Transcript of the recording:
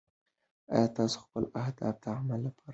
ایا تاسو خپل اهداف د عمل لپاره لیکلي؟